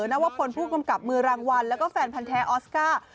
นวพลผู้กำกับมือรางวัลแล้วก็แฟนพันธ์แท้ออสการ์